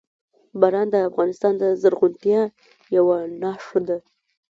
باران د افغانستان د زرغونتیا یوه نښه ده.